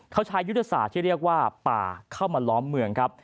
เขาใช้ยุทธศาสตร์ที่เรียกว่าป่าเข้ามาล้อมเมืองครับ